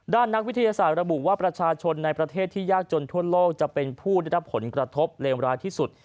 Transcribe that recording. นักวิทยาศาสตร์ระบุว่าประชาชนในประเทศที่ยากจนทั่วโลกจะเป็นผู้ได้รับผลกระทบเลวร้ายที่สุด